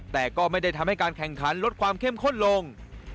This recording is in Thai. แต่ก็ไม่ได้ทำให้การแข่งขันลดความเข้มข้นลง